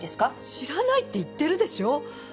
知らないって言ってるでしょ！